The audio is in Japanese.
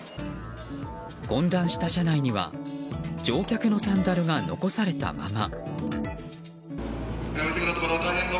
混乱した車内には乗客のサンダルが残されたまま。